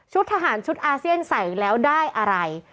ทหารชุดอาเซียนใส่แล้วได้อะไร